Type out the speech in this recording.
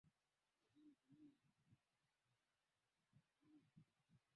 radicals mashambulizi hayo waliitwa Palmer Raids Kwa muda mfupi Hoover iliyoundwa kadi namba mia